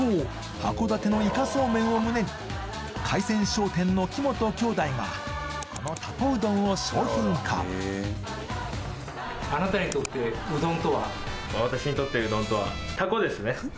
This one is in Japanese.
函館のイカソーメンを胸に海鮮商店の木元兄弟がこのたこうどんを商品化あなたにとってうどんとは？